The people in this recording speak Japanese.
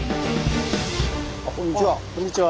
あこんにちは。